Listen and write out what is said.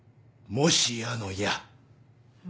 もしやのや？